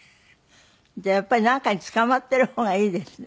じゃあやっぱりなんかにつかまってる方がいいですね。